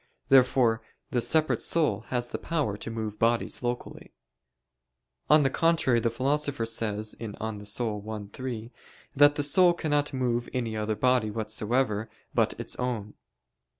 Therefore, the separate soul has the power to move bodies locally. On the contrary, the Philosopher says (De Anima i, 3) that the soul cannot move any other body whatsoever but its own.